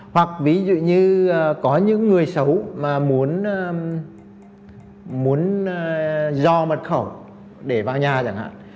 hoặc ví dụ như có những người xấu mà muốn dò mật khẩu để vào nhà chẳng hạn